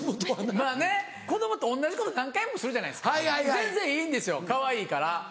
まぁね子供って同じこと何回もするじゃないですか全然いいんですよかわいいから。